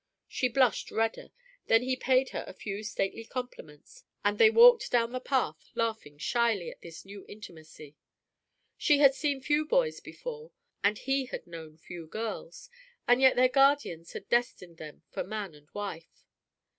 She blushed redder, then he paid her a few stately compliments, and they walked down the path laughing shyly at this new intimacy. She had seen few boys before, and he had known few girls, and yet their guardians had destined them for man and wife.